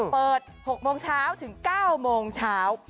เปิด๖โมงเช้าถึง๙โมงเช้า